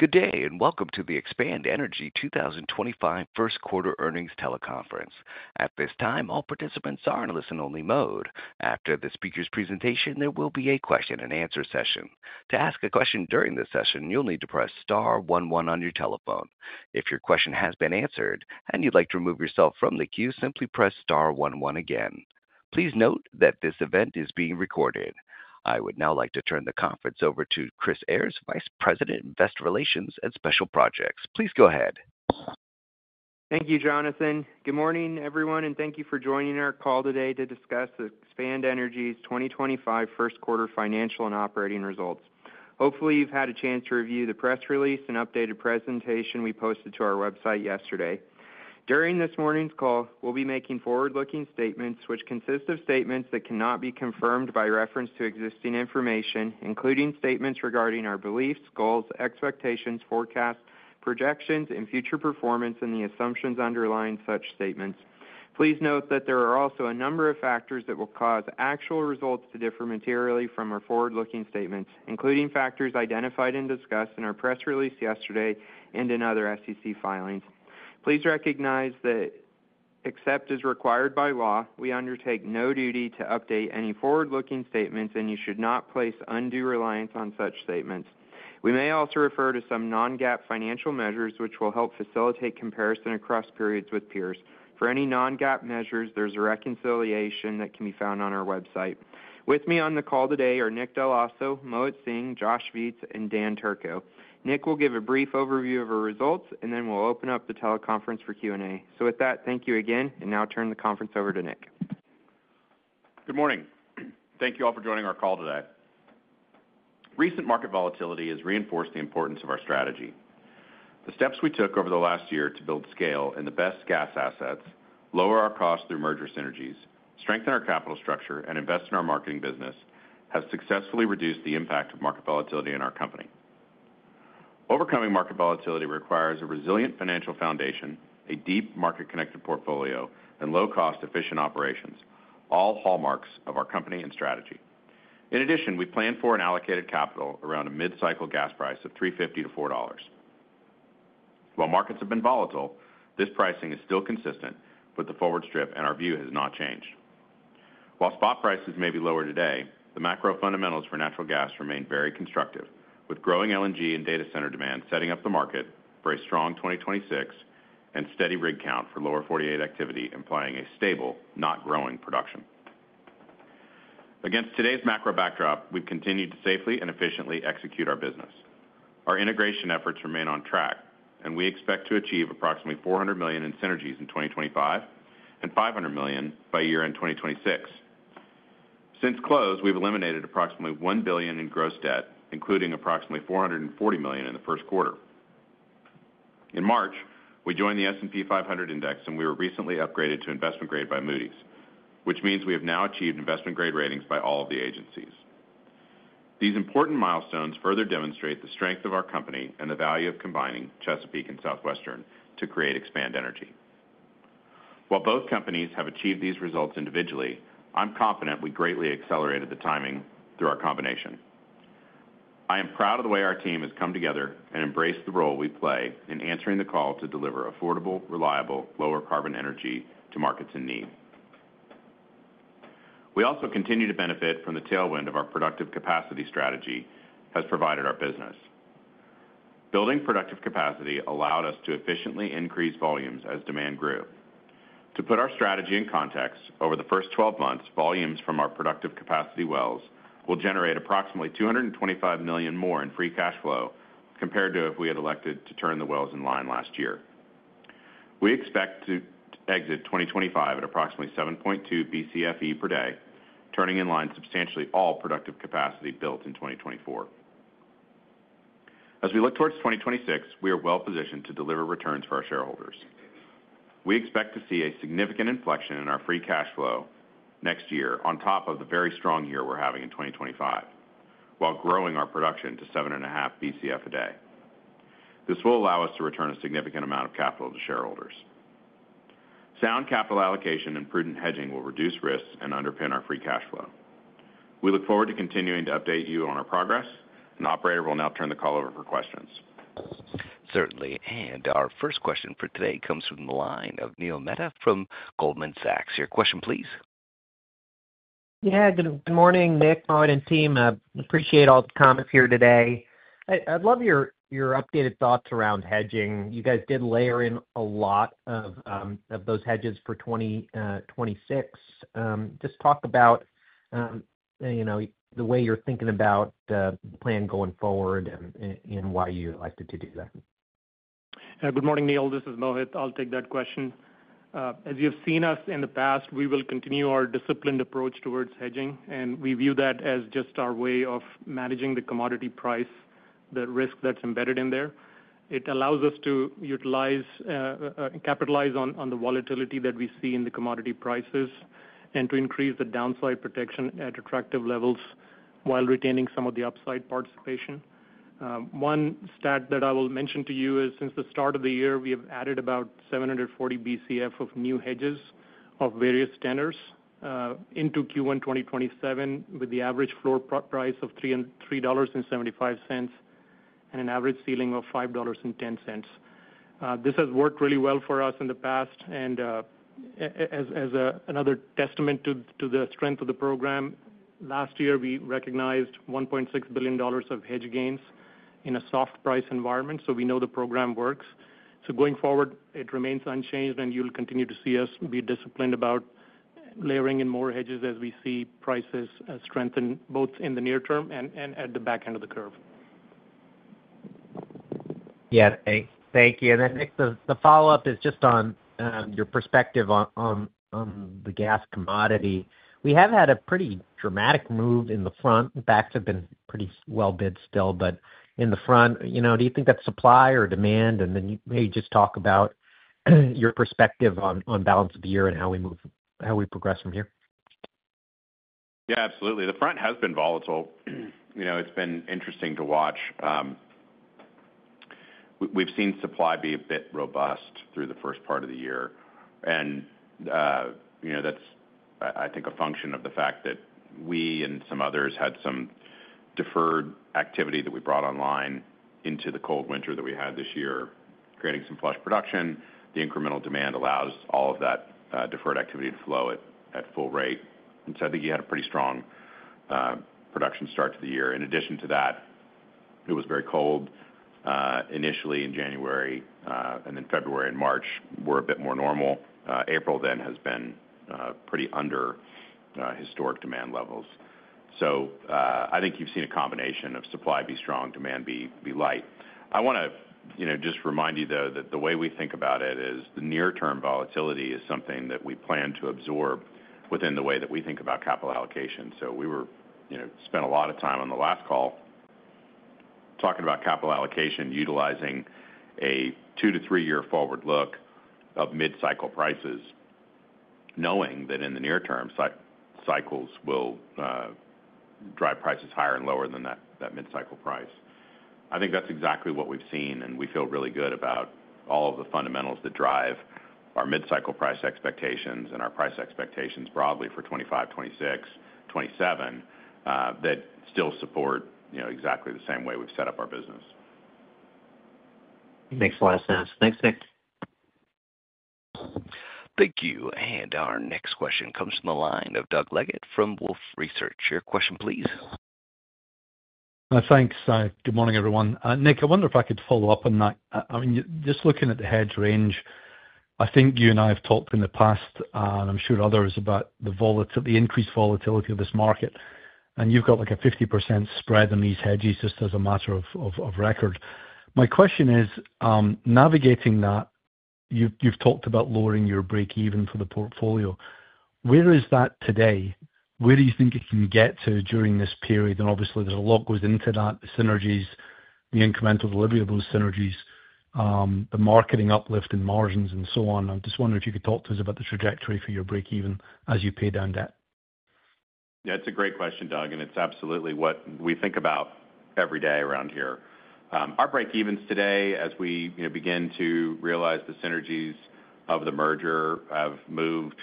Good day and welcome to the Expand Energy 2025 first quarter earnings teleconference. At this time, all participants are in listen-only mode. After the speaker's presentation, there will be a question-and-answer session. To ask a question during this session, you'll need to press star 11 on your telephone. If your question has been answered and you'd like to remove yourself from the queue, simply press star 11 again. Please note that this event is being recorded. I would now like to turn the conference over to Chris Ayres, Vice President, Investor Relations and Special Projects. Please go ahead. Thank you, Jonathan. Good morning, everyone, and thank you for joining our call today to discuss Expand Energy's 2025 first quarter financial and operating results. Hopefully, you've had a chance to review the press release and updated presentation we posted to our website yesterday. During this morning's call, we'll be making forward-looking statements, which consist of statements that cannot be confirmed by reference to existing information, including statements regarding our beliefs, goals, expectations, forecasts, projections, and future performance and the assumptions underlying such statements. Please note that there are also a number of factors that will cause actual results to differ materially from our forward-looking statements, including factors identified and discussed in our press release yesterday and in other SEC filings. Please recognize that, except as required by law, we undertake no duty to update any forward-looking statements, and you should not place undue reliance on such statements. We may also refer to some non-GAAP financial measures, which will help facilitate comparison across periods with peers. For any non-GAAP measures, there is a reconciliation that can be found on our website. With me on the call today are Nick Dell'Osso, Mohit Singh, Josh Viets, and Dan Turco. Nick will give a brief overview of our results, and then we will open up the teleconference for Q&A. Thank you again, and now I turn the conference over to Nick. Good morning. Thank you all for joining our call today. Recent market volatility has reinforced the importance of our strategy. The steps we took over the last year to build scale and the best gas assets, lower our costs through merger synergies, strengthen our capital structure, and invest in our marketing business have successfully reduced the impact of market volatility in our company. Overcoming market volatility requires a resilient financial foundation, a deep market-connected portfolio, and low-cost, efficient operations, all hallmarks of our company and strategy. In addition, we planned for and allocated capital around a mid-cycle gas price of $3.50-$4. While markets have been volatile, this pricing is still consistent with the forward strip, and our view has not changed. While spot prices may be lower today, the macro fundamentals for natural gas remain very constructive, with growing LNG and data center demand setting up the market for a strong 2026 and steady rig count for Lower 48 activity, implying a stable, not growing production. Against today's macro backdrop, we've continued to safely and efficiently execute our business. Our integration efforts remain on track, and we expect to achieve approximately $400 million in synergies in 2025 and $500 million by year-end 2026. Since close, we've eliminated approximately $1 billion in gross debt, including approximately $440 million in the first quarter. In March, we joined the S&P 500 Index, and we were recently upgraded to investment grade by Moody's, which means we have now achieved investment grade ratings by all of the agencies. These important milestones further demonstrate the strength of our company and the value of combining Chesapeake and Southwestern to create Expand Energy. While both companies have achieved these results individually, I'm confident we greatly accelerated the timing through our combination. I am proud of the way our team has come together and embraced the role we play in answering the call to deliver affordable, reliable, lower-carbon energy to markets in need. We also continue to benefit from the tailwind of our productive capacity strategy that has provided our business. Building productive capacity allowed us to efficiently increase volumes as demand grew. To put our strategy in context, over the first 12 months, volumes from our productive capacity wells will generate approximately $225 million more in free cash flow compared to if we had elected to turn the wells in line last year. We expect to exit 2025 at approximately 7.2 Bcfe/d, turning in line substantially all productive capacity built in 2024. As we look towards 2026, we are well-positioned to deliver returns for our shareholders. We expect to see a significant inflection in our free cash flow next year on top of the very strong year we're having in 2025, while growing our production to 7.5 Bcfe/d. This will allow us to return a significant amount of capital to shareholders. Sound capital allocation and prudent hedging will reduce risks and underpin our free cash flow. We look forward to continuing to update you on our progress, and the operator will now turn the call over for questions. Certainly. Our first question for today comes from the line of Neil Mehta from Goldman Sachs. Your question, please. Yeah, good morning, Nick, Mohit, and team. I appreciate all the comments here today. I'd love your updated thoughts around hedging. You guys did layer in a lot of those hedges for 2026. Just talk about the way you're thinking about the plan going forward and why you elected to do that. Good morning, Neil. This is Mohit. I'll take that question. As you've seen us in the past, we will continue our disciplined approach towards hedging, and we view that as just our way of managing the commodity price, the risk that's embedded in there. It allows us to capitalize on the volatility that we see in the commodity prices and to increase the downside protection at attractive levels while retaining some of the upside participation. One stat that I will mention to you is, since the start of the year, we have added about 740 Bcfe of new hedges of various tenors into Q1 2027, with the average floor price of $3.75 and an average ceiling of $5.10. This has worked really well for us in the past. As another testament to the strength of the program, last year, we recognized $1.6 billion of hedge gains in a soft price environment. We know the program works. Going forward, it remains unchanged, and you'll continue to see us be disciplined about layering in more hedges as we see prices strengthen both in the near term and at the back end of the curve. Yeah, thank you. Nick, the follow-up is just on your perspective on the gas commodity. We have had a pretty dramatic move in the front. The backs have been pretty well-bid still, but in the front, do you think that is supply or demand? Maybe just talk about your perspective on balance of the year and how we progress from here. Yeah, absolutely. The front has been volatile. It's been interesting to watch. We've seen supply be a bit robust through the first part of the year. That's, I think, a function of the fact that we and some others had some deferred activity that we brought online into the cold winter that we had this year, creating some flush production. The incremental demand allows all of that deferred activity to flow at full rate. I think you had a pretty strong production start to the year. In addition to that, it was very cold initially in January, and then February and March were a bit more normal. April has been pretty under historic demand levels. I think you've seen a combination of supply be strong, demand be light. I want to just remind you, though, that the way we think about it is the near-term volatility is something that we plan to absorb within the way that we think about capital allocation. We spent a lot of time on the last call talking about capital allocation, utilizing a two- to three-year forward look of mid-cycle prices, knowing that in the near term, cycles will drive prices higher and lower than that mid-cycle price. I think that's exactly what we've seen, and we feel really good about all of the fundamentals that drive our mid-cycle price expectations and our price expectations broadly for 2025, 2026, 2027 that still support exactly the same way we've set up our business. Makes a lot of sense. Thanks, Nick. Thank you. Our next question comes from the line of Doug Leggate from Wolfe Research. Your question, please. Thanks. Good morning, everyone. Nick, I wonder if I could follow up on that. I mean, just looking at the hedge range, I think you and I have talked in the past, and I'm sure others, about the increased volatility of this market. And you've got like a 50% spread on these hedges just as a matter of record. My question is, navigating that, you've talked about lowering your break-even for the portfolio. Where is that today? Where do you think it can get to during this period? Obviously, there's a lot that goes into that, the synergies, the incremental delivery of those synergies, the marketing uplift in margins, and so on. I'm just wondering if you could talk to us about the trajectory for your break-even as you pay down debt. Yeah, it's a great question, Doug, and it's absolutely what we think about every day around here. Our break-evens today, as we begin to realize the synergies of the merger, have moved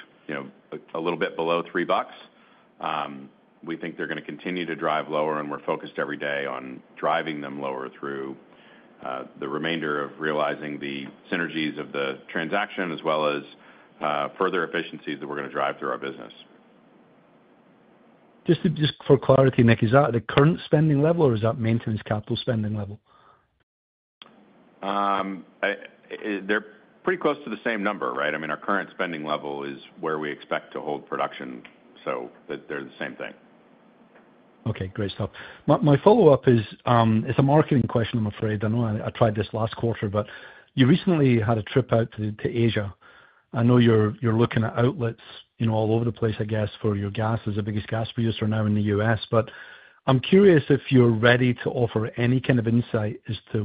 a little bit below $3. We think they're going to continue to drive lower, and we're focused every day on driving them lower through the remainder of realizing the synergies of the transaction, as well as further efficiencies that we're going to drive through our business. Just for clarity, Nick, is that the current spending level, or is that maintenance capital spending level? They're pretty close to the same number, right? I mean, our current spending level is where we expect to hold production, so they're the same thing. Okay, great stuff. My follow-up is a marketing question, I'm afraid. I know I tried this last quarter, but you recently had a trip out to Asia. I know you're looking at outlets all over the place, I guess, for your gas. There's a biggest gas producer now in the U.S., but I'm curious if you're ready to offer any kind of insight as to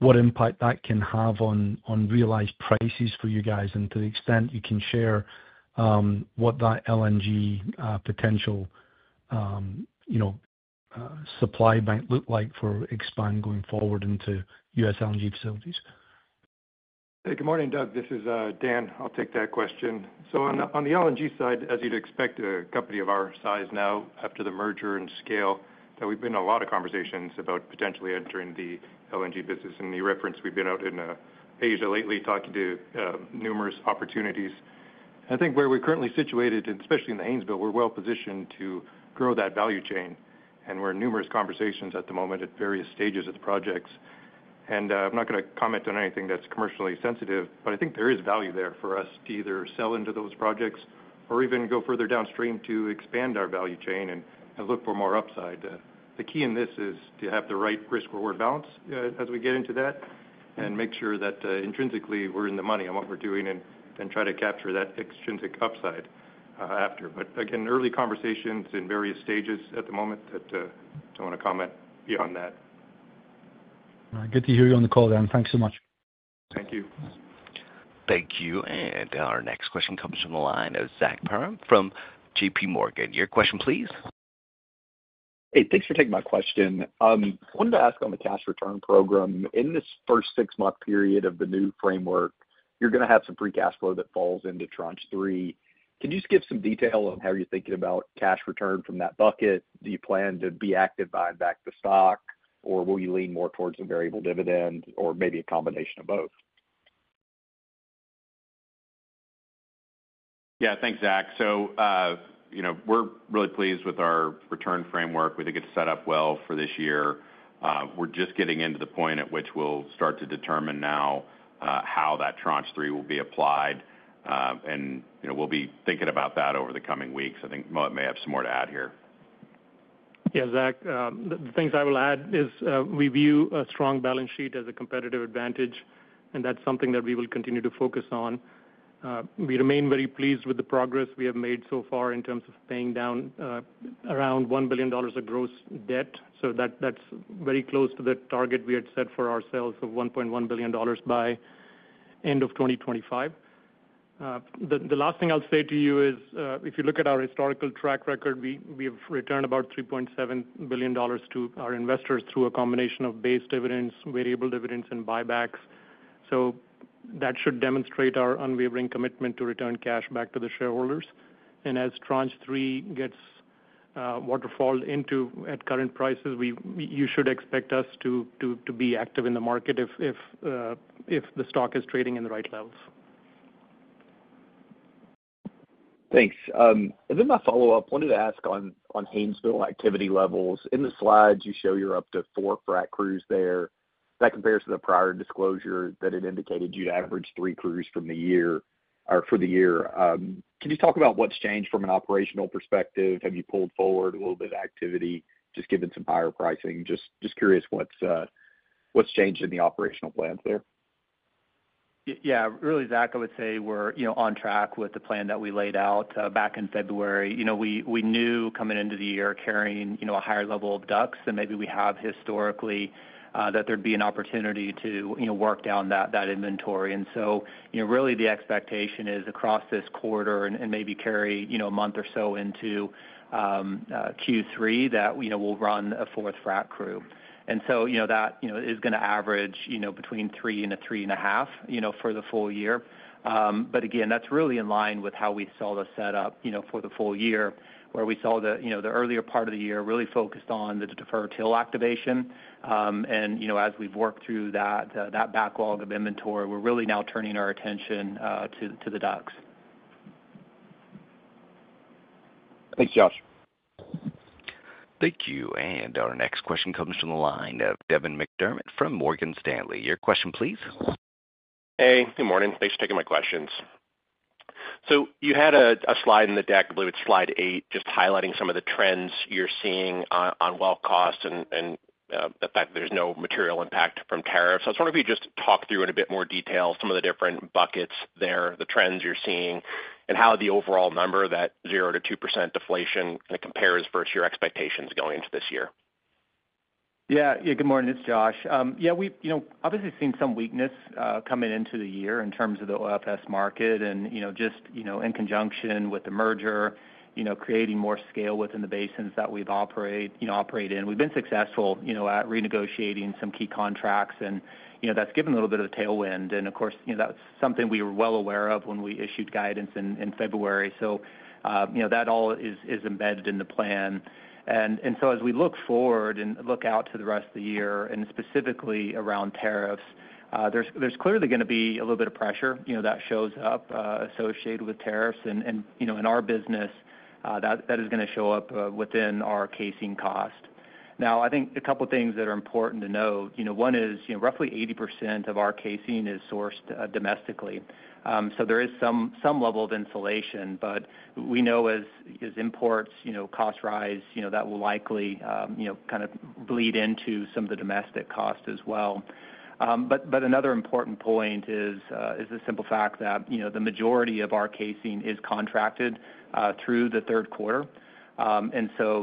what impact that can have on realized prices for you guys and to the extent you can share what that LNG potential supply might look like for Expand going forward into U.S. LNG facilities. Hey, good morning, Doug. This is Dan. I'll take that question. On the LNG side, as you'd expect, a company of our size now, after the merger and scale, we've been in a lot of conversations about potentially entering the LNG business. In the reference, we've been out in Asia lately, talking to numerous opportunities. I think where we're currently situated, and especially in the Haynesville, we're well-positioned to grow that value chain, and we're in numerous conversations at the moment at various stages of the projects. I'm not going to comment on anything that's commercially sensitive, but I think there is value there for us to either sell into those projects or even go further downstream to expand our value chain and look for more upside. The key in this is to have the right risk-reward balance as we get into that and make sure that intrinsically we're in the money on what we're doing and try to capture that extrinsic upside after. Again, early conversations in various stages at the moment. I don't want to comment beyond that. Good to hear you on the call, Dan. Thanks so much. Thank you. Thank you. Our next question comes from the line of Zach Parham from JPMorgan. Your question, please. Hey, thanks for taking my question. I wanted to ask on the cash return program. In this first six-month period of the new framework, you're going to have some free cash flow that falls into Tranche 3. Could you give some detail on how you're thinking about cash return from that bucket? Do you plan to be active buying back the stock, or will you lean more towards the variable dividend, or maybe a combination of both? Yeah, thanks, Zach. We are really pleased with our return framework. We think it is set up well for this year. We are just getting into the point at which we will start to determine now how that Tranche 3 will be applied, and we will be thinking about that over the coming weeks. I think Mohit may have some more to add here. Yeah, Zach, the things I will add is we view a strong balance sheet as a competitive advantage, and that's something that we will continue to focus on. We remain very pleased with the progress we have made so far in terms of paying down around $1 billion of gross debt. That is very close to the target we had set for ourselves of $1.1 billion by end of 2025. The last thing I'll say to you is, if you look at our historical track record, we have returned about $3.7 billion to our investors through a combination of base dividends, variable dividends, and buybacks. That should demonstrate our unwavering commitment to return cash back to the shareholders. As Tranche 3 gets waterfalled into at current prices, you should expect us to be active in the market if the stock is trading in the right levels. Thanks. My follow-up, I wanted to ask on Haynesville activity levels. In the slides, you show you're up to four frac crews there. That compares to the prior disclosure that had indicated you'd average three crews for the year. Can you talk about what's changed from an operational perspective? Have you pulled forward a little bit of activity, just given some higher pricing? Just curious what's changed in the operational plans there. Yeah, really, Zach, I would say we're on track with the plan that we laid out back in February. We knew coming into the year carrying a higher level of DUCs than maybe we have historically, that there'd be an opportunity to work down that inventory. Really, the expectation is across this quarter and maybe carry a month or so into Q3 that we'll run a fourth frac crew. That is going to average between 3 and 3.5 for the full year. Again, that's really in line with how we saw the setup for the full year, where we saw the earlier part of the year really focused on the deferred TIL activation. As we've worked through that backlog of inventory, we're really now turning our attention to the DUCs. Thanks, Josh. Thank you. Our next question comes from the line of Devin McDermott from Morgan Stanley. Your question, please. Hey, good morning. Thanks for taking my questions. You had a slide in the deck, I believe it is Slide 8, just highlighting some of the trends you are seeing on well cost and the fact that there is no material impact from tariffs. I just wonder if you would just talk through in a bit more detail some of the different buckets there, the trends you are seeing, and how the overall number, that 0%-2% deflation, compares versus your expectations going into this year. Yeah, good morning. It's Josh. Yeah, we've obviously seen some weakness coming into the year in terms of the OFS market and just in conjunction with the merger, creating more scale within the basins that we operate in. We've been successful at renegotiating some key contracts, and that's given a little bit of a tailwind. Of course, that's something we were well aware of when we issued guidance in February. That all is embedded in the plan. As we look forward and look out to the rest of the year, and specifically around tariffs, there's clearly going to be a little bit of pressure that shows up associated with tariffs. In our business, that is going to show up within our casing cost. Now, I think a couple of things that are important to know. One is roughly 80% of our casing is sourced domestically. There is some level of insulation, but we know as imports cost rise, that will likely kind of bleed into some of the domestic cost as well. Another important point is the simple fact that the majority of our casing is contracted through the third quarter.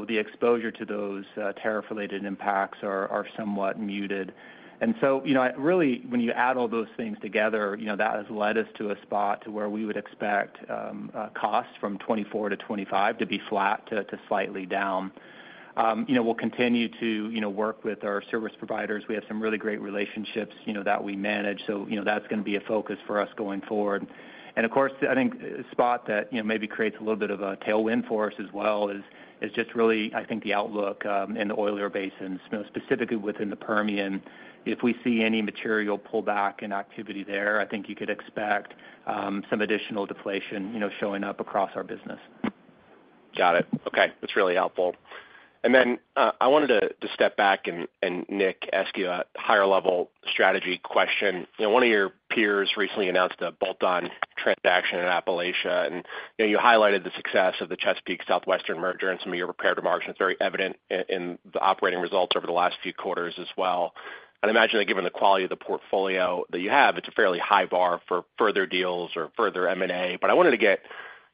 The exposure to those tariff-related impacts are somewhat muted. Really, when you add all those things together, that has led us to a spot to where we would expect costs from 2024 to 2025 to be flat to slightly down. We'll continue to work with our service providers. We have some really great relationships that we manage. That's going to be a focus for us going forward? Of course, I think a spot that maybe creates a little bit of a tailwind for us as well is just really, I think, the outlook in the oil or basins, specifically within the Permian. If we see any material pullback in activity there, I think you could expect some additional deflation showing up across our business. Got it. Okay. That's really helpful. I wanted to step back and, Nick, ask you a higher-level strategy question. One of your peers recently announced a bolt-on transaction in Appalachia, and you highlighted the success of the Chesapeake-Southwestern merger and some of your repaired margins. It's very evident in the operating results over the last few quarters as well. I'd imagine that given the quality of the portfolio that you have, it's a fairly high bar for further deals or further M&A. I wanted to get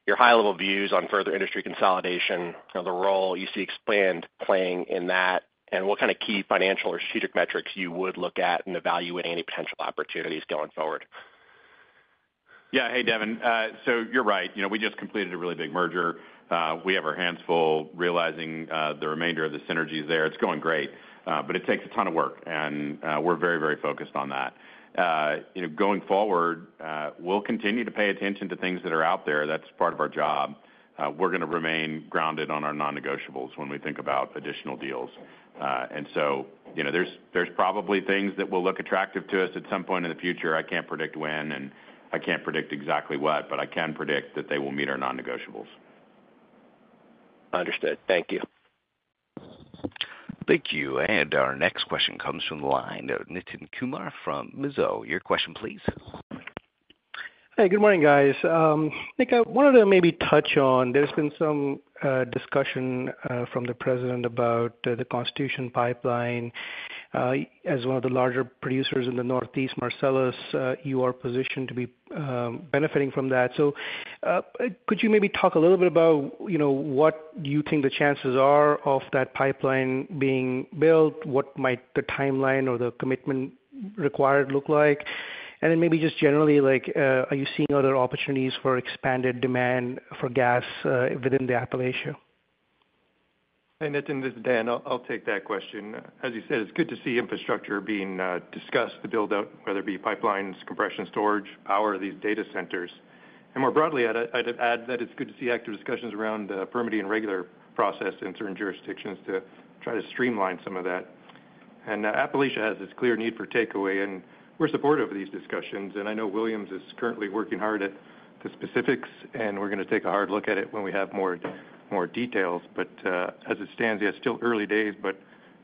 your high-level views on further industry consolidation, the role you see Expand playing in that, and what kind of key financial or strategic metrics you would look at in evaluating any potential opportunities going forward. Yeah. Hey, Devin. You're right. We just completed a really big merger. We have our hands full realizing the remainder of the synergies there. It's going great, but it takes a ton of work, and we're very, very focused on that. Going forward, we'll continue to pay attention to things that are out there. That's part of our job. We're going to remain grounded on our non-negotiables when we think about additional deals. There are probably things that will look attractive to us at some point in the future. I can't predict when, and I can't predict exactly what, but I can predict that they will meet our non-negotiables. Understood. Thank you. Thank you. Our next question comes from the line of Nitin Kumar from Mizuho. Your question, please. Hey, good morning, guys. Nick, I wanted to maybe touch on there's been some discussion from the president about the Constitution Pipeline. As one of the larger producers in the Northeast, Marcellus, you are positioned to be benefiting from that. Could you maybe talk a little bit about what you think the chances are of that pipeline being built? What might the timeline or the commitment required look like? Just generally, are you seeing other opportunities for expanded demand for gas within the Appalachia? Hey, Nitin, this is Dan. I'll take that question. As you said, it's good to see infrastructure being discussed, the build-out, whether it be pipelines, compression storage, power, these data centers. More broadly, I'd add that it's good to see active discussions around the permitting and regular process in certain jurisdictions to try to streamline some of that. Appalachia has this clear need for takeaway, and we're supportive of these discussions. I know Williams is currently working hard at the specifics, and we're going to take a hard look at it when we have more details. As it stands, yes, still early days, but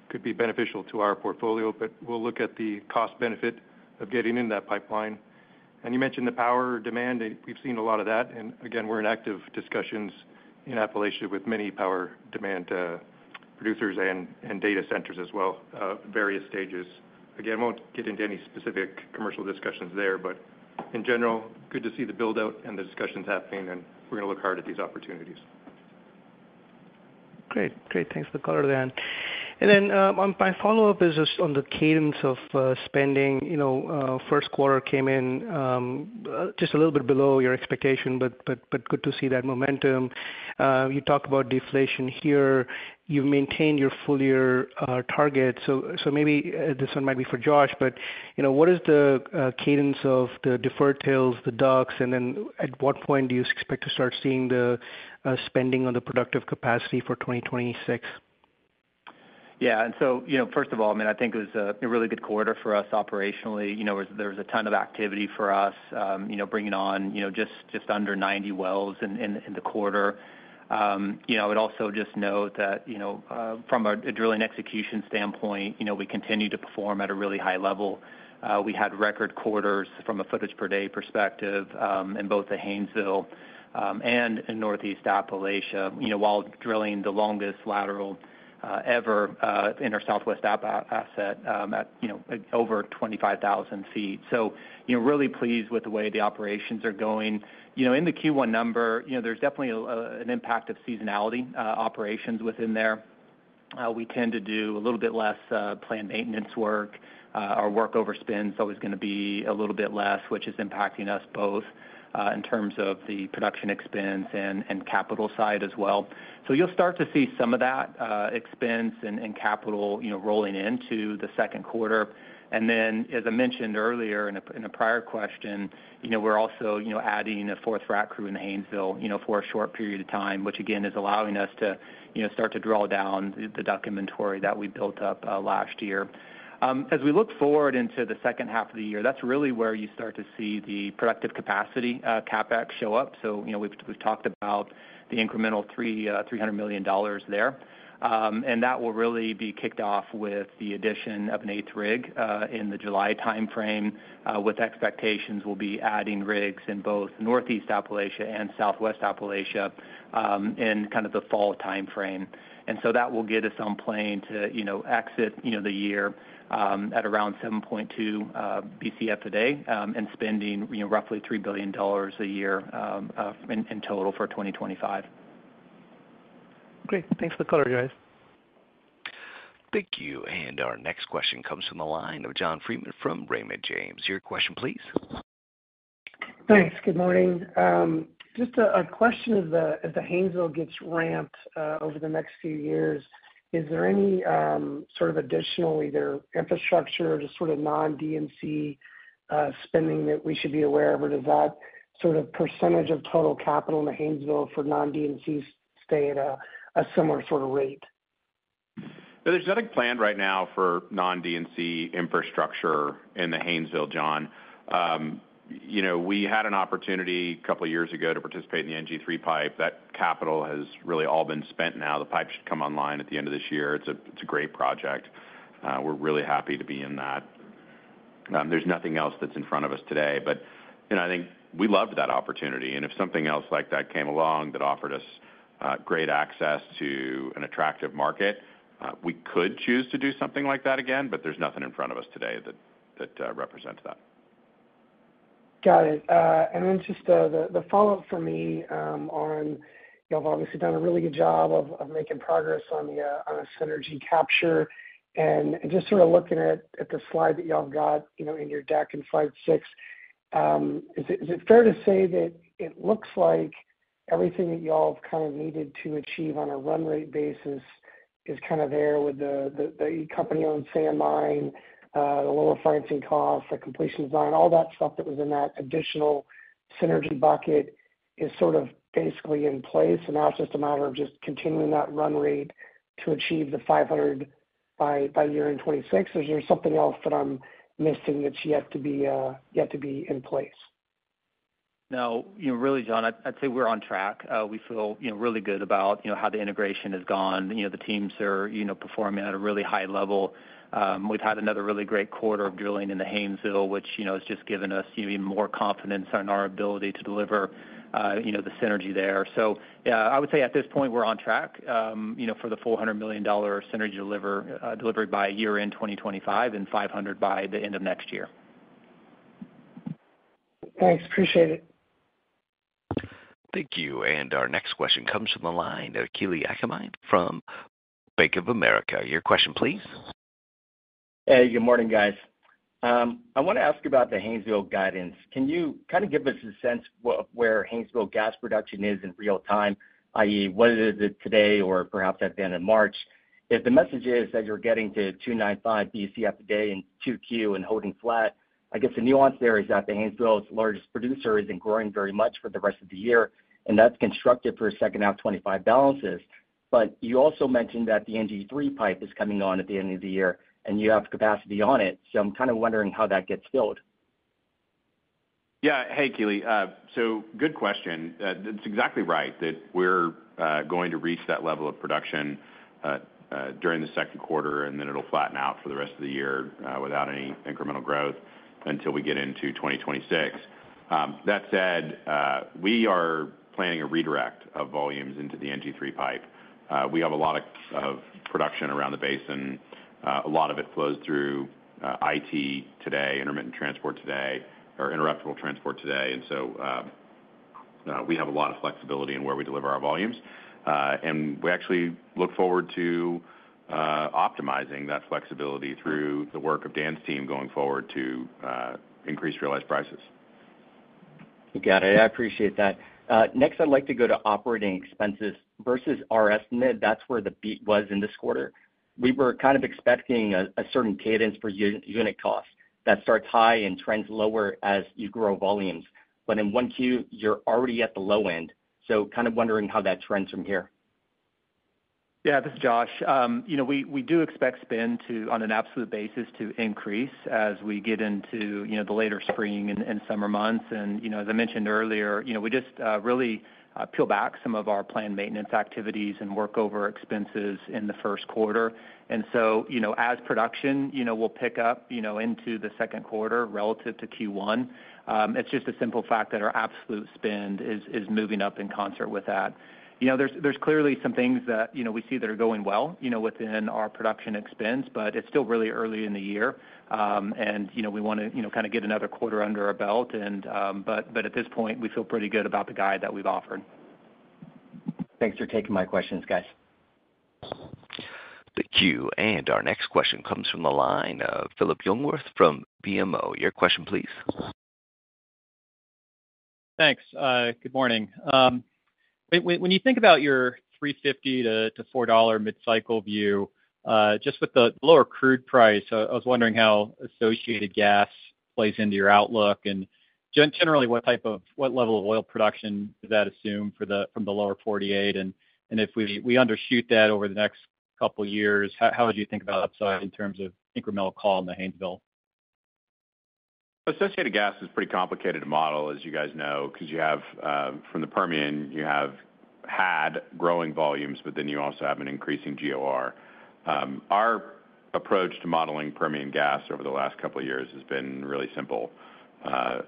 could be beneficial to our portfolio. We'll look at the cost-benefit of getting in that pipeline. You mentioned the power demand. We've seen a lot of that. We are in active discussions in Appalachia with many power demand producers and data centers as well, various stages. Again, will not get into any specific commercial discussions there, but in general, good to see the build-out and the discussions happening, and we are going to look hard at these opportunities. Great. Thanks for the color, Dan. My follow-up is just on the cadence of spending. First quarter came in just a little bit below your expectation, but good to see that momentum. You talked about deflation here. You have maintained your full-year target. Maybe this one might be for Josh, but what is the cadence of the deferred TILs, the DUCs, and at what point do you expect to start seeing the spending on the productive capacity for 2026? Yeah. First of all, I mean, I think it was a really good quarter for us operationally. There was a ton of activity for us, bringing on just under 90 wells in the quarter. I would also just note that from a drilling execution standpoint, we continue to perform at a really high level. We had record quarters from a footage per day perspective in both the Haynesville and in Northeast Appalachia while drilling the longest lateral ever in our Southwest asset at over 25,000 ft. Really pleased with the way the operations are going. In the Q1 number, there is definitely an impact of seasonality operations within there. We tend to do a little bit less planned maintenance work. Our work over spend is always going to be a little bit less, which is impacting us both in terms of the production expense and capital side as well. You'll start to see some of that expense and capital rolling into the second quarter. As I mentioned earlier in a prior question, we're also adding a fourth frac crew in Haynesville for a short period of time, which again is allowing us to start to draw down the DUC inventory that we built up last year. As we look forward into the second half of the year, that's really where you start to see the productive capacity CapEx show up. We've talked about the incremental $300 million there. That will really be kicked off with the addition of an eighth rig in the July timeframe. With expectations, we'll be adding rigs in both Northeast Appalachia and Southwest Appalachia in kind of the fall timeframe. That will get us on plane to exit the year at around 7.2 Bcfe/d and spending roughly $3 billion a year in total for 2025. Great. Thanks for the color, guys. Thank you. Our next question comes from the line of John Friedman from Raymond James. Your question, please. Thanks. Good morning. Just a question as the Haynesville gets ramped over the next few years. Is there any sort of additional either infrastructure or just sort of non-D&C spending that we should be aware of? Or does that sort of percentage of total capital in the Haynesville for non-D&C stay at a similar sort of rate? There's nothing planned right now for non-D&C infrastructure in the Haynesville, John. We had an opportunity a couple of years ago to participate in the NG3 pipe. That capital has really all been spent now. The pipe should come online at the end of this year. It's a great project. We're really happy to be in that. There's nothing else that's in front of us today. I think we loved that opportunity. If something else like that came along that offered us great access to an attractive market, we could choose to do something like that again, but there's nothing in front of us today that represents that. Got it. Just the follow-up for me on y'all have obviously done a really good job of making progress on the synergy capture. Just sort of looking at the slide that y'all have got in your deck in Slide 6, is it fair to say that it looks like everything that y'all have kind of needed to achieve on a run rate basis is kind of there with the company-owned sand mine, the lower financing cost, the completion design, all that stuff that was in that additional synergy bucket is sort of basically in place. Now it's just a matter of just continuing that run rate to achieve the $500 million by year-end 2026. Is there something else that I'm missing that's yet to be in place? No, really, John, I'd say we're on track. We feel really good about how the integration has gone. The teams are performing at a really high level. We've had another really great quarter of drilling in the Haynesville, which has just given us even more confidence in our ability to deliver the synergy there. Yeah, I would say at this point, we're on track for the $400 million synergy delivery by year-end 2025 and $500 million by the end of next year. Thanks. Appreciate it. Thank you. Our next question comes from the line of Kalei Akamine from Bank of America. Your question, please. Hey, good morning, guys. I want to ask about the Haynesville guidance. Can you kind of give us a sense of where Haynesville gas production is in real time, i.e., what it is today or perhaps at the end of March? If the message is that you're getting to 2.95 Bcfe/d in 2Q and holding flat, I guess the nuance there is that the Haynesville's largest producer isn't growing very much for the rest of the year, and that's constructive for second half 2025 balances. You also mentioned that the NG3 pipe is coming on at the end of the year, and you have capacity on it. I am kind of wondering how that gets filled. Yeah. Hey, Kalei. Good question. That's exactly right that we're going to reach that level of production during the second quarter, and it will flatten out for the rest of the year without any incremental growth until we get into 2026. That said, we are planning a redirect of volumes into the NG3 pipe. We have a lot of production around the basin. A lot of it flows through IT today, intermittent transport today, or interruptible transport today. We have a lot of flexibility in where we deliver our volumes. We actually look forward to optimizing that flexibility through the work of Dan's team going forward to increase realized prices. Got it. I appreciate that. Next, I'd like to go to operating expenses versus our estimate. That's where the beat was in this quarter. We were kind of expecting a certain cadence for unit costs that starts high and trends lower as you grow volumes. In 1Q, you're already at the low end. Kind of wondering how that trends from here. Yeah, this is Josh. We do expect spend on an absolute basis to increase as we get into the later spring and summer months. As I mentioned earlier, we just really peel back some of our planned maintenance activities and work over expenses in the first quarter. As production will pick up into the second quarter relative to Q1, it is just a simple fact that our absolute spend is moving up in concert with that. There are clearly some things that we see that are going well within our production expense, but it is still really early in the year. We want to kind of get another quarter under our belt. At this point, we feel pretty good about the guide that we have offered. Thanks for taking my questions, guys. Thank you. Our next question comes from the line of Phillip Jungwirth from BMO. Your question, please. Thanks. Good morning. When you think about your $3.50-$4 mid-cycle view, just with the lower crude price, I was wondering how associated gas plays into your outlook. Generally, what level of oil production does that assume from the Lower 48? If we undershoot that over the next couple of years, how would you think about upside in terms of incremental call in the Haynesville? Associated gas is a pretty complicated model, as you guys know, because from the Permian, you have had growing volumes, but then you also have an increasing GOR. Our approach to modeling Permian gas over the last couple of years has been really simple.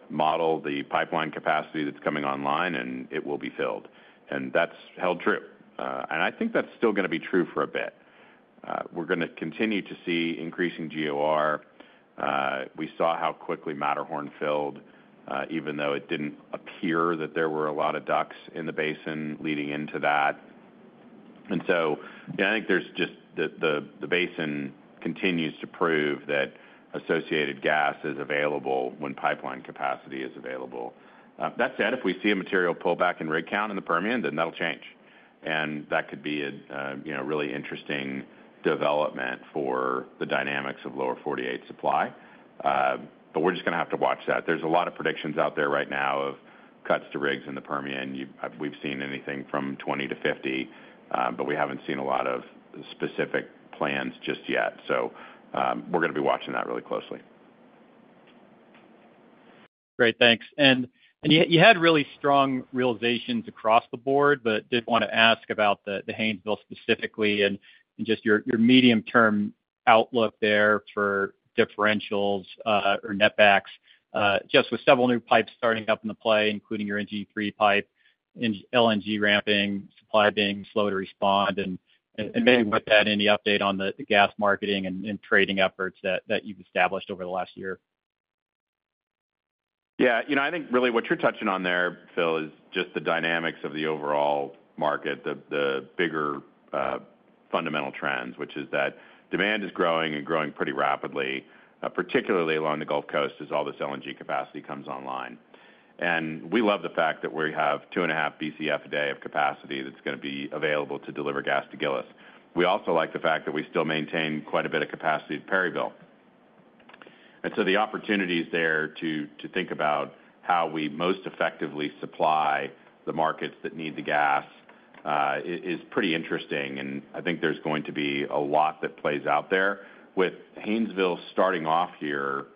Model the pipeline capacity that's coming online, and it will be filled. That has held true. I think that's still going to be true for a bit. We're going to continue to see increasing GOR. We saw how quickly Matterhorn filled, even though it did not appear that there were a lot of DUCs in the basin leading into that. I think just the basin continues to prove that associated gas is available when pipeline capacity is available. That said, if we see a material pullback in rig count in the Permian, that will change. That could be a really interesting development for the dynamics of Lower 48 supply. We are just going to have to watch that. There are a lot of predictions out there right now of cuts to rigs in the Permian. We have seen anything from 20-50, but we have not seen a lot of specific plans just yet. We are going to be watching that really closely. Great. Thanks. You had really strong realizations across the board, but did want to ask about the Haynesville specifically and just your medium-term outlook there for differentials or netbacks, just with several new pipes starting up in the play, including your NG3 pipe, LNG ramping, supply being slow to respond. Maybe with that, any update on the gas marketing and trading efforts that you've established over the last year? Yeah. I think really what you're touching on there, Phil, is just the dynamics of the overall market, the bigger fundamental trends, which is that demand is growing and growing pretty rapidly, particularly along the Gulf Coast as all this LNG capacity comes online. We love the fact that we have 2.5 Bcfe/d of capacity that's going to be available to deliver gas to Gillis. We also like the fact that we still maintain quite a bit of capacity at Perryville. The opportunities there to think about how we most effectively supply the markets that need the gas is pretty interesting. I think there's going to be a lot that plays out there. With Haynesville starting off here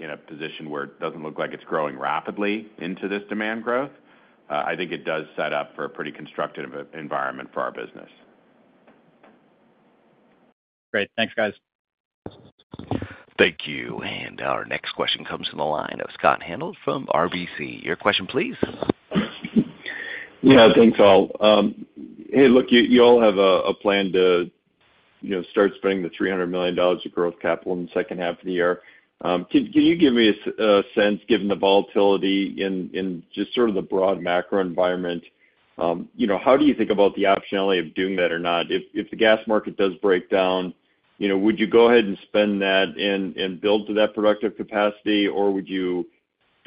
in a position where it doesn't look like it's growing rapidly into this demand growth, I think it does set up for a pretty constructive environment for our business. Great. Thanks, guys. Thank you. Our next question comes from the line of Scott Hanold from RBC. Your question, please. Yeah. Thanks, all. Hey, look, y'all have a plan to start spending the $300 million of growth capital in the second half of the year. Can you give me a sense, given the volatility in just sort of the broad macro environment, how do you think about the optionality of doing that or not? If the gas market does break down, would you go ahead and spend that and build to that productive capacity, or would you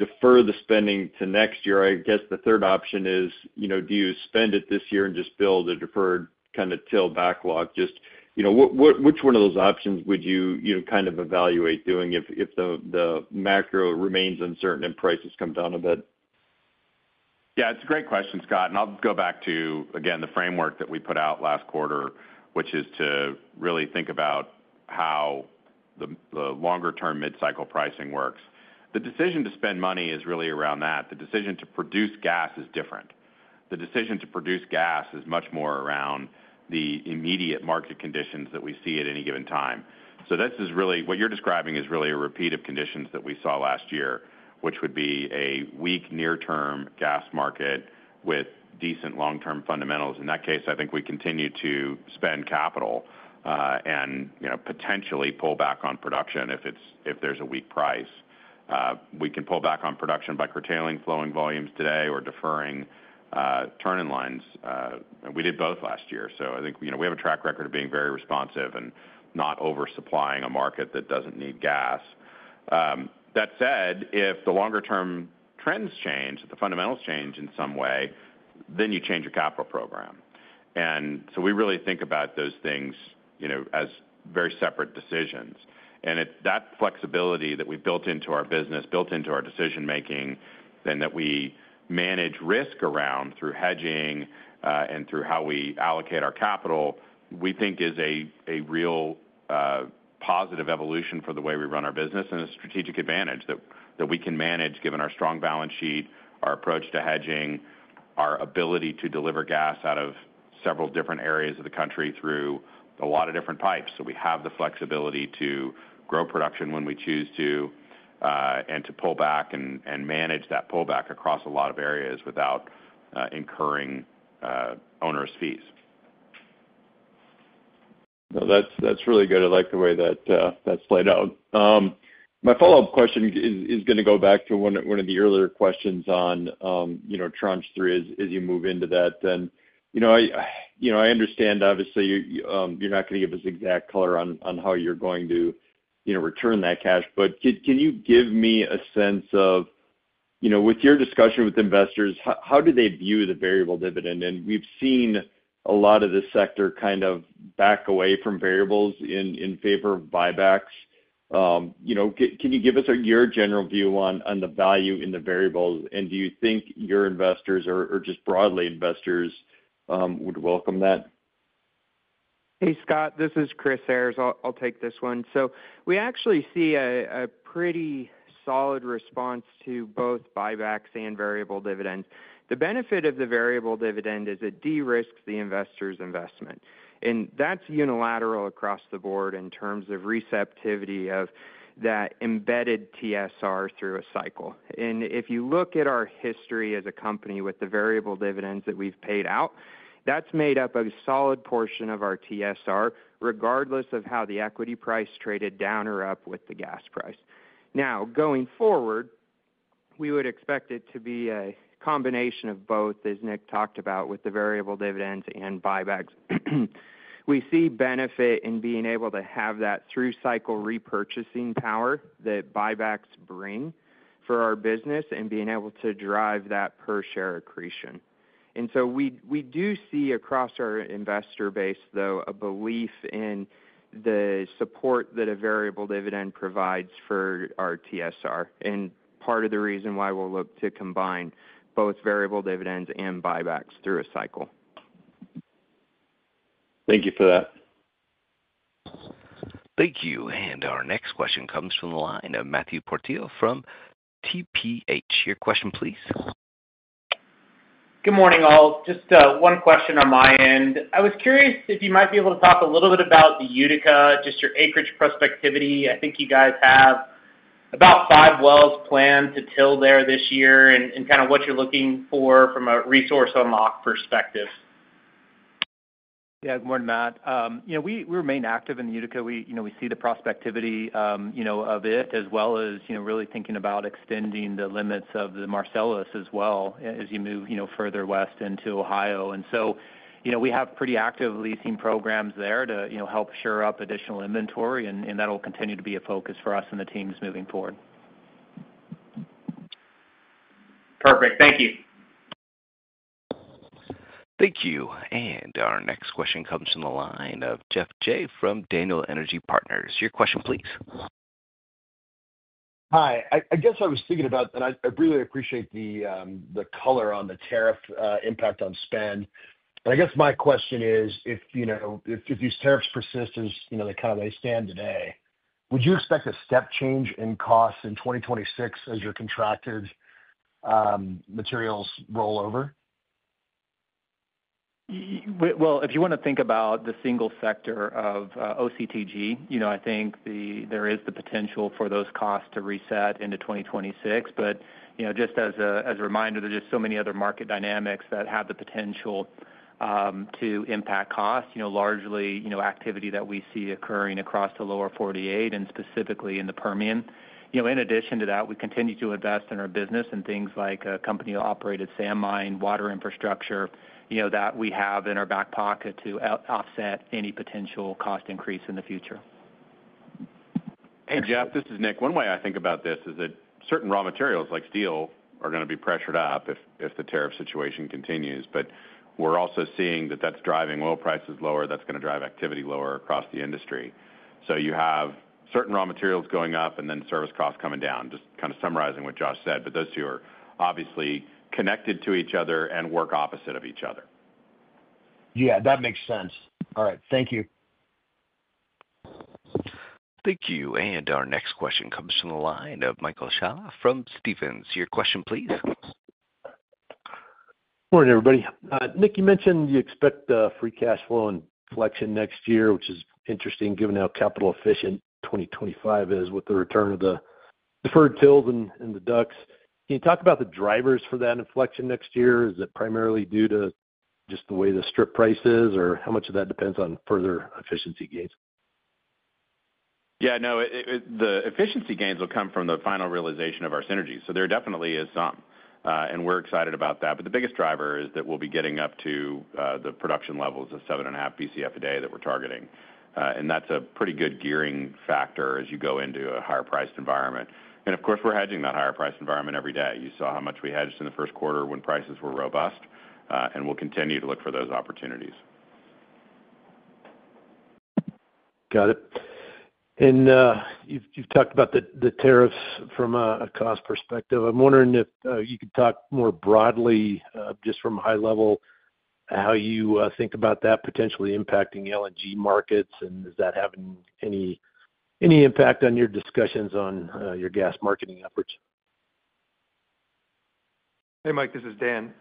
defer the spending to next year? I guess the third option is, do you spend it this year and just build a deferred kind of TIL backlog? Just which one of those options would you kind of evaluate doing if the macro remains uncertain and prices come down a bit? Yeah. It's a great question, Scott. I will go back to, again, the framework that we put out last quarter, which is to really think about how the longer-term mid-cycle pricing works. The decision to spend money is really around that. The decision to produce gas is different. The decision to produce gas is much more around the immediate market conditions that we see at any given time. What you're describing is really a repeat of conditions that we saw last year, which would be a weak near-term gas market with decent long-term fundamentals. In that case, I think we continue to spend capital and potentially pull back on production if there's a weak price. We can pull back on production by curtailing flowing volumes today or deferring turn-in lines. We did both last year. I think we have a track record of being very responsive and not oversupplying a market that does not need gas. That said, if the longer-term trends change, if the fundamentals change in some way, then you change your capital program. We really think about those things as very separate decisions. That flexibility that we have built into our business, built into our decision-making, and that we manage risk around through hedging and through how we allocate our capital, we think is a real positive evolution for the way we run our business and a strategic advantage that we can manage given our strong balance sheet, our approach to hedging, our ability to deliver gas out of several different areas of the country through a lot of different pipes. We have the flexibility to grow production when we choose to and to pull back and manage that pullback across a lot of areas without incurring onerous fees. No, that's really good. I like the way that's laid out. My follow-up question is going to go back to one of the earlier questions on Tranche 3 as you move into that. I understand, obviously, you're not going to give us exact color on how you're going to return that cash. Can you give me a sense of, with your discussion with investors, how do they view the variable dividend? We've seen a lot of this sector kind of back away from variables in favor of buybacks. Can you give us your general view on the value in the variables? Do you think your investors or just broadly investors would welcome that? Hey, Scott, this is Chris Ayres. I'll take this one. We actually see a pretty solid response to both buybacks and variable dividends. The benefit of the variable dividend is it de-risks the investor's investment. That is unilateral across the board in terms of receptivity of that embedded TSR through a cycle. If you look at our history as a company with the variable dividends that we've paid out, that has made up a solid portion of our TSR, regardless of how the equity price traded down or up with the gas price. Now, going forward, we would expect it to be a combination of both, as Nick talked about, with the variable dividends and buybacks. We see benefit in being able to have that through-cycle repurchasing power that buybacks bring for our business and being able to drive that per-share accretion. We do see across our investor base, though, a belief in the support that a variable dividend provides for our TSR. Part of the reason why we'll look to combine both variable dividends and buybacks through a cycle. Thank you for that. Thank you. Our next question comes from the line of Matthew Portillo from TPH. Your question, please. Good morning, all. Just one question on my end. I was curious if you might be able to talk a little bit about the Utica, just your acreage prospectivity. I think you guys have about five wells planned to TIL there this year and kind of what you're looking for from a resource unlock perspective. Yeah. Good morning, Matt. We remain active in the Utica. We see the prospectivity of it, as well as really thinking about extending the limits of the Marcellus as well as you move further west into Ohio. We have pretty active leasing programs there to help shore up additional inventory. That'll continue to be a focus for us and the teams moving forward. Perfect. Thank you. Thank you. Our next question comes from the line of Geoff Jay from Daniel Energy Partners. Your question, please. Hi. I guess I was thinking about, and I really appreciate the color on the tariff impact on spend. I guess my question is, if these tariffs persist as they kind of stand today, would you expect a step change in costs in 2026 as your contracted materials roll over? If you want to think about the single sector of OCTG, I think there is the potential for those costs to reset into 2026. Just as a reminder, there are just so many other market dynamics that have the potential to impact costs, largely activity that we see occurring across the Lower 48 and specifically in the Permian. In addition to that, we continue to invest in our business and things like a company-operated sand mine, water infrastructure that we have in our back pocket to offset any potential cost increase in the future. Hey, Geoff, this is Nick. One way I think about this is that certain raw materials like steel are going to be pressured up if the tariff situation continues. We are also seeing that that is driving oil prices lower. That is going to drive activity lower across the industry. You have certain raw materials going up and then service costs coming down, just kind of summarizing what Josh said. Those two are obviously connected to each other and work opposite of each other. Yeah, that makes sense. All right. Thank you. Thank you. Our next question comes from the line of Michael Scialla from Stephens. Your question, please. Morning, everybody. Nick, you mentioned you expect free cash flow inflection next year, which is interesting given how capital-efficient 2025 is with the return of the deferred TILs and the DUCs. Can you talk about the drivers for that inflection next year? Is it primarily due to just the way the strip price is, or how much of that depends on further efficiency gains? Yeah. No, the efficiency gains will come from the final realization of our synergies. There definitely is some. We are excited about that. The biggest driver is that we will be getting up to the production levels of 7.5 Bcfe/d that we are targeting. That is a pretty good gearing factor as you go into a higher-priced environment. Of course, we are hedging that higher-priced environment every day. You saw how much we hedged in the first quarter when prices were robust. We will continue to look for those opportunities. Got it. You have talked about the tariffs from a cost perspective. I am wondering if you could talk more broadly, just from a high level, how you think about that potentially impacting LNG markets and is that having any impact on your discussions on your gas marketing efforts? Hey, Mike. This is Dan.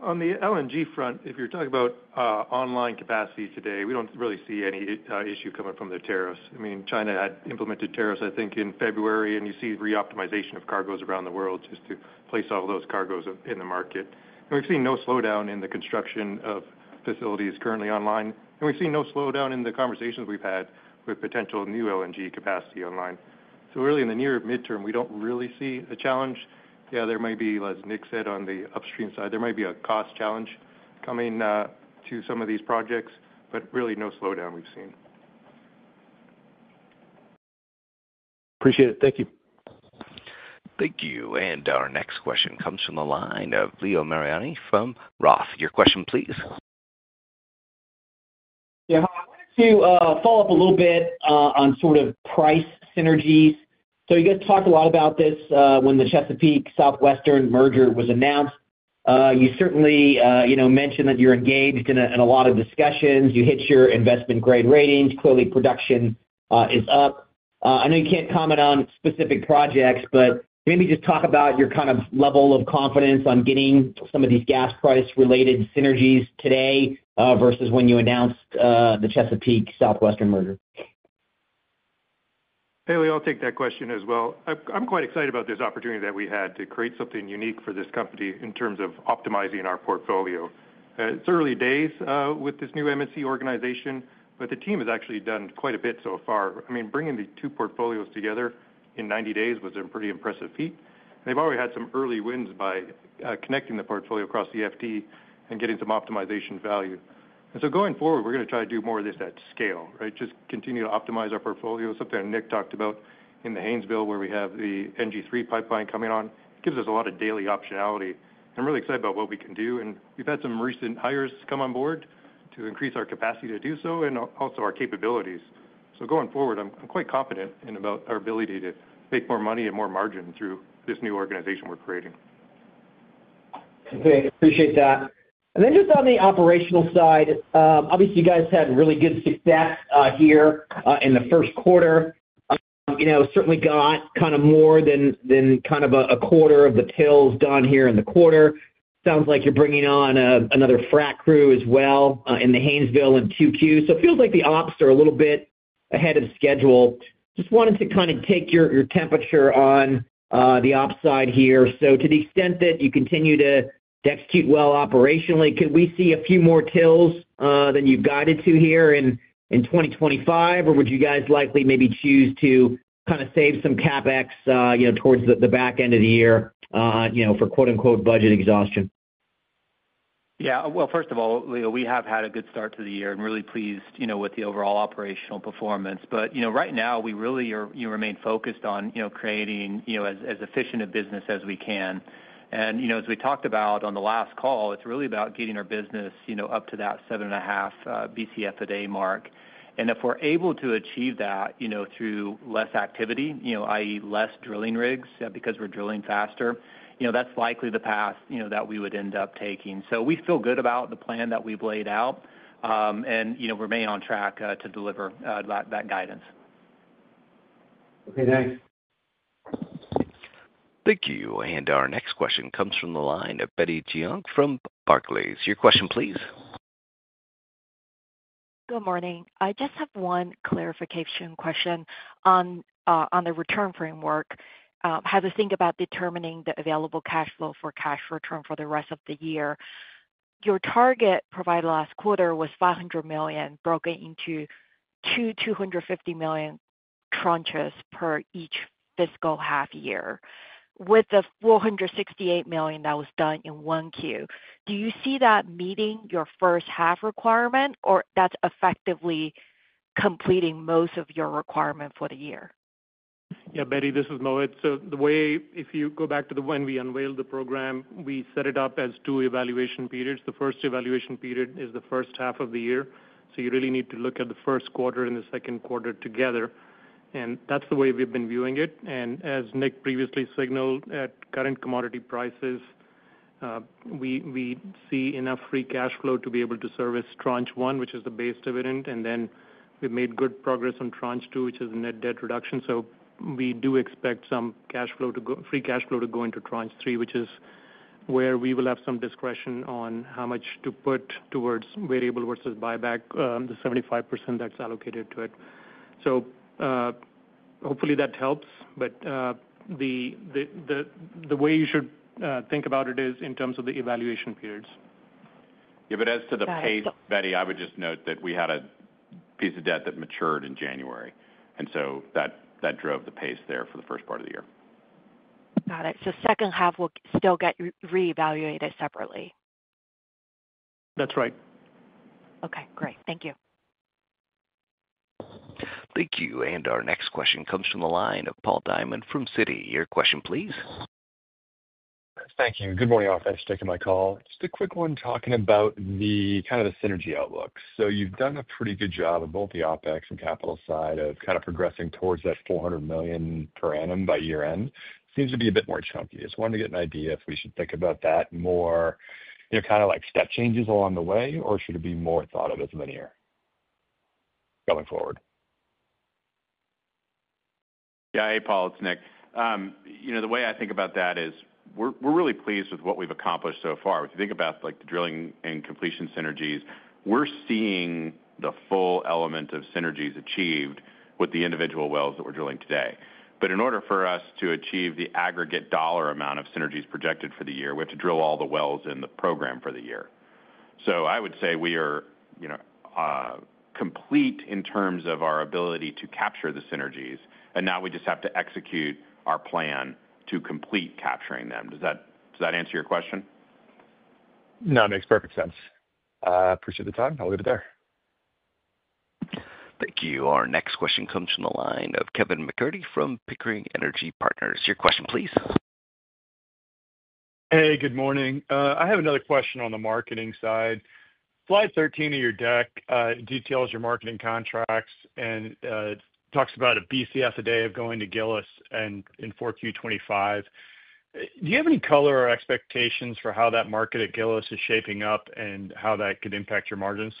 On the LNG front, if you're talking about online capacity today, we don't really see any issue coming from the tariffs. I mean, China had implemented tariffs, I think, in February, and you see reoptimization of cargoes around the world just to place all those cargoes in the market. I mean, we've seen no slowdown in the construction of facilities currently online. We've seen no slowdown in the conversations we've had with potential new LNG capacity online. Really, in the near midterm, we don't really see a challenge. Yeah, there may be, as Nick said, on the upstream side, there may be a cost challenge coming to some of these projects, but really no slowdown we've seen. Appreciate it. Thank you. Thank you. Our next question comes from the line of Leo Mariani from Roth. Your question, please. Yeah. I wanted to follow up a little bit on sort of price synergies. You guys talked a lot about this when the Chesapeake-Southwestern merger was announced. You certainly mentioned that you're engaged in a lot of discussions. You hit your investment-grade ratings. Clearly, production is up. I know you can't comment on specific projects, but maybe just talk about your kind of level of confidence on getting some of these gas-price-related synergies today versus when you announced the Chesapeake-Southwestern merger. Hey, Leo, I'll take that question as well. I'm quite excited about this opportunity that we had to create something unique for this company in terms of optimizing our portfolio. It's early days with this new M&C organization, but the team has actually done quite a bit so far. I mean, bringing the two portfolios together in 90 days was a pretty impressive feat. They've already had some early wins by connecting the portfolio across FT and getting some optimization value. Going forward, we're going to try to do more of this at scale, right? Just continue to optimize our portfolio. Something that Nick talked about in the Haynesville, where we have the NG3 pipeline coming on, gives us a lot of daily optionality. I'm really excited about what we can do. We have had some recent hires come on board to increase our capacity to do so and also our capabilities. Going forward, I'm quite confident about our ability to make more money and more margin through this new organization we're creating. Okay. Appreciate that. Just on the operational side, obviously, you guys had really good success here in the first quarter. Certainly got kind of more than kind of a quarter of the TILs done here in the quarter. Sounds like you're bringing on another frac crew as well in the Haynesville in Q2. It feels like the ops are a little bit ahead of schedule. Just wanted to kind of take your temperature on the ops side here. To the extent that you continue to execute well operationally, could we see a few more TILs than you've guided to here in 2025, or would you guys likely maybe choose to kind of save some CapEx towards the back end of the year for "budget exhaustion"? Yeah. First of all, Leo, we have had a good start to the year and really pleased with the overall operational performance. Right now, we really remain focused on creating as efficient a business as we can. As we talked about on the last call, it's really about getting our business up to that 7.5 Bcfe/d mark. If we're able to achieve that through less activity, i.e., fewer drilling rigs because we're drilling faster, that's likely the path that we would end up taking. We feel good about the plan that we've laid out and remain on track to deliver that guidance. Okay. Thanks. Thank you. Our next question comes from the line of Betty Jiang from Barclays. Your question, please. Good morning. I just have one clarification question on the return framework. How to think about determining the available cash flow for cash return for the rest of the year. Your target provided last quarter was $500 million broken into two $250 million tranches per each fiscal half year, with the $468 million that was done in Q1. Do you see that meeting your first half requirement, or that's effectively completing most of your requirement for the year? Yeah, Betty, this is Mohit. The way, if you go back to when we unveiled the program, we set it up as two evaluation periods. The first evaluation period is the first half of the year. You really need to look at the first quarter and the second quarter together. That is the way we have been viewing it. As Nick previously signaled, at current commodity prices, we see enough free cash flow to be able to service Tranche 1, which is the base dividend. We have made good progress on Tranche 2, which is net debt reduction. We do expect some free cash flow to go into Tranche 3, which is where we will have some discretion on how much to put towards variable versus buyback, the 75% that is allocated to it. Hopefully that helps. The way you should think about it is in terms of the evaluation periods. Yeah. As to the pace, Betty, I would just note that we had a piece of debt that matured in January. That drove the pace there for the first part of the year. Got it. Second half will still get reevaluated separately? That's right. Okay. Great. Thank you. Thank you. Our next question comes from the line of Paul Diamond from Citi. Your question, please. Thank you. Good morning, all. Thanks for taking my call. Just a quick one talking about kind of the synergy outlook. You have done a pretty good job on both the OpEx and capital side of kind of progressing towards that $400 million per annum by year-end. Seems to be a bit more chunky. Just wanted to get an idea if we should think about that more kind of like step changes along the way, or should it be more thought of as linear going forward? Yeah. Hey, Paul. It's Nick. The way I think about that is we're really pleased with what we've accomplished so far. If you think about the drilling and completion synergies, we're seeing the full element of synergies achieved with the individual wells that we're drilling today. In order for us to achieve the aggregate dollar amount of synergies projected for the year, we have to drill all the wells in the program for the year. I would say we are complete in terms of our ability to capture the synergies, and now we just have to execute our plan to complete capturing them. Does that answer your question? No, it makes perfect sense. Appreciate the time. I'll leave it there. Thank you. Our next question comes from the line of Kevin MacCurdy from Pickering Energy Partners. Your question, please. Hey, good morning. I have another question on the marketing side. Slide 13 of your deck details your marketing contracts and talks about a Bcfe a day of going to Gillis and in 4Q 2025. Do you have any color or expectations for how that market at Gillis is shaping up and how that could impact your margins?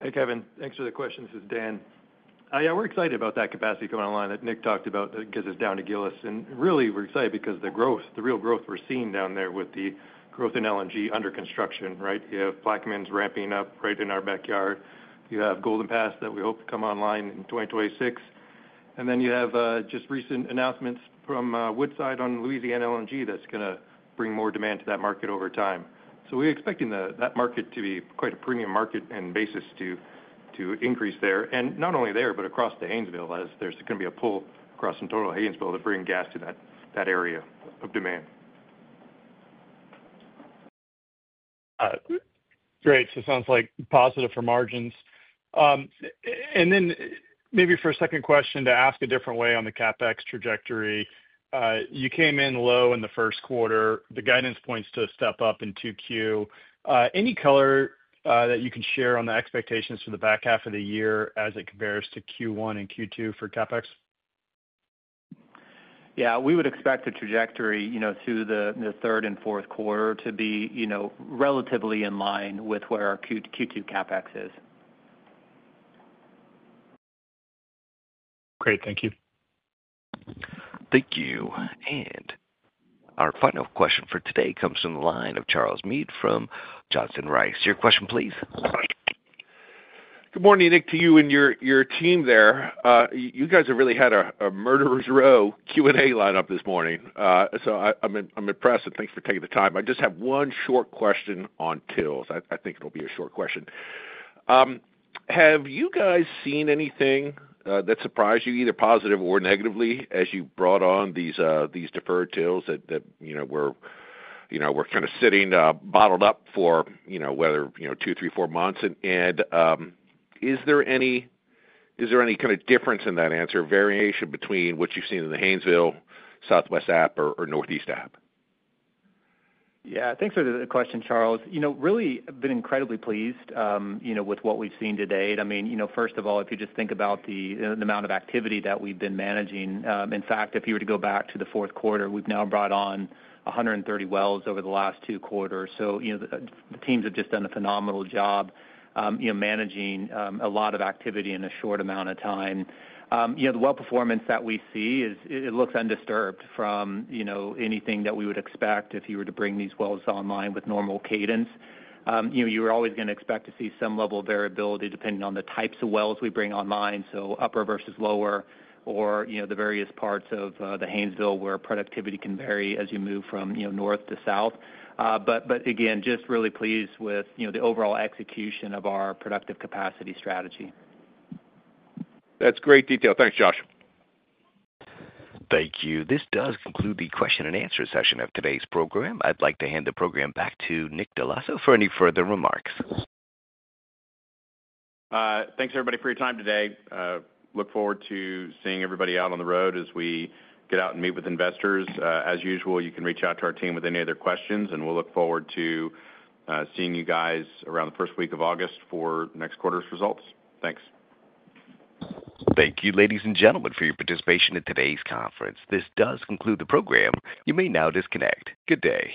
Hey, Kevin. Thanks for the question. This is Dan. Yeah, we're excited about that capacity coming online that Nick talked about that gets us down to Gillis. Really, we're excited because the real growth we're seeing down there with the growth in LNG under construction, right? You have Plaquemines ramping up right in our backyard. You have Golden Pass that we hope to come online in 2026. You have just recent announcements from Woodside on Louisiana LNG that's going to bring more demand to that market over time. We are expecting that market to be quite a premium market and basis to increase there. Not only there, but across the Haynesville, as there's going to be a pull across in total Haynesville to bring gas to that area of demand. Great. It sounds like positive for margins. Maybe for a second question to ask a different way on the CapEx trajectory. You came in low in the first quarter. The guidance points to step up in 2Q. Any color that you can share on the expectations for the back half of the year as it compares to Q1 and Q2 for CapEx? Yeah. We would expect the trajectory through the third and fourth quarter to be relatively in line with where our Q2 CapEx is. Great. Thank you. Thank you. Our final question for today comes from the line of Charles Meade from Johnson Rice. Your question, please. Good morning, Nick, to you and your team there. You guys have really had a Murderers' Row Q&A lineup this morning. I am impressed, and thanks for taking the time. I just have one short question on TILs. I think it will be a short question. Have you guys seen anything that surprised you, either positive or negatively, as you brought on these deferred TILs that were kind of sitting bottled up for whether two, three, four months? Is there any kind of difference in that answer, variation between what you have seen in the Haynesville, Southwest App, or Northeast App? Yeah. Thanks for the question, Charles. Really, I've been incredibly pleased with what we've seen today. I mean, first of all, if you just think about the amount of activity that we've been managing. In fact, if you were to go back to the fourth quarter, we've now brought on 130 wells over the last two quarters. The teams have just done a phenomenal job managing a lot of activity in a short amount of time. The well performance that we see, it looks undisturbed from anything that we would expect if you were to bring these wells online with normal cadence. You were always going to expect to see some level of variability depending on the types of wells we bring online, so upper versus lower or the various parts of the Haynesville where productivity can vary as you move from north to south. Just really pleased with the overall execution of our productive capacity strategy. That's great detail. Thanks, Josh. Thank you. This does conclude the question and answer session of today's program. I'd like to hand the program back to Nick Dell'Osso for any further remarks. Thanks, everybody, for your time today. Look forward to seeing everybody out on the road as we get out and meet with investors. As usual, you can reach out to our team with any other questions, and we'll look forward to seeing you guys around the first week of August for next quarter's results. Thanks. Thank you, ladies and gentlemen, for your participation in today's conference. This does conclude the program. You may now disconnect. Good day.